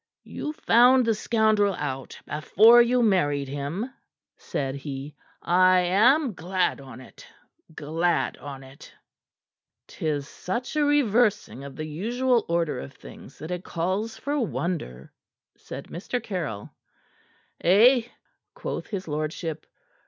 "You found the scoundrel out before you married him," said he. "I am glad on't; glad on't!" "'Tis such a reversing of the usual order of things that it calls for wonder," said Mr. Caryll. "Eh?" quoth his lordship.